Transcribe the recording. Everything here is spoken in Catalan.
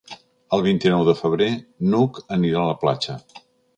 El vint-i-nou de febrer n'Hug anirà a la platja.